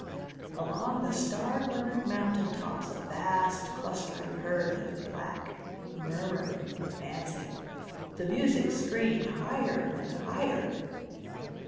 Along the star glimmered mountain tops a vast clustering herd of black, murmuring, advancing. The music screamed higher and higher.